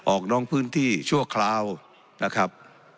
น้องพื้นที่ชั่วคราวนะครับ